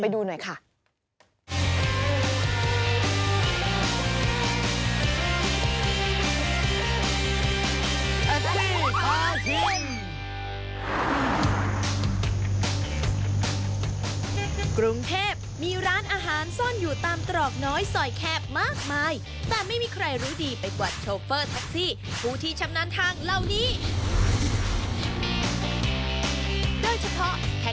เดี๋ยวไปดูหน่อยค่ะ